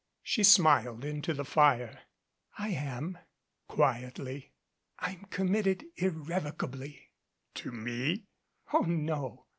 She smiled into the fire. "I am," quietly. "I'm committed irrevocably." "To me?" "Oh, no.